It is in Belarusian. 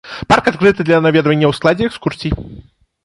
Парк адкрыты для наведвання ў складзе экскурсій.